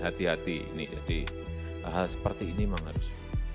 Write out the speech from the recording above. hati hati ini jadi hal seperti ini memang harus